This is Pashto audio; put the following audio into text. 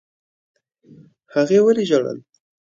هغې ولي ژړل؟